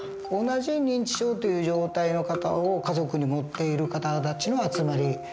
同じ認知症という状態の方を家族に持っている方たちの集まり